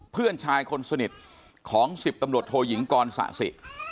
เพื่อนชายคนสนิทของ๑๐ตำรวจโทยิงกรสะสิ